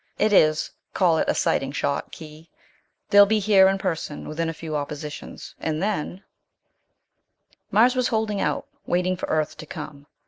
It is call it a sighting shot, Khee. They'll be here in person within a few oppositions. And then " Mars was holding out, waiting for Earth to come.